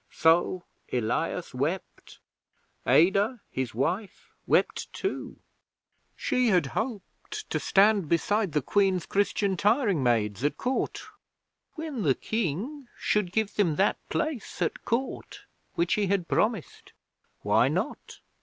So Elias wept. Adah, his wife, wept too. She had hoped to stand beside the Queen's Christian tiring maids at Court when the King should give them that place at Court which he had promised. Why not?